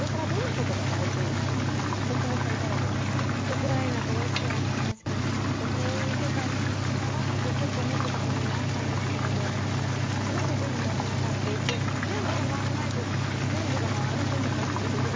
ウクライナとロシアの話から始まって遠い世界の話かなってちょっと思ってた部分もあったんですけれどすごく全部がつながっていて全部が回らないと全部が回らないんだなっていう。